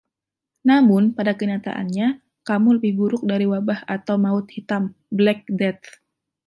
Namun, pada kenyataannya, kamu lebih buruk dari Wabah atau Maut Hitam (Black Death).